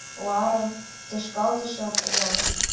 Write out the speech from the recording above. Ларым, тошкалтышым ужам.